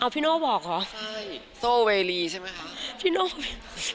พี่โน้วบอกแล้วค่ะใช่โซเวรีใช่ไหมคะ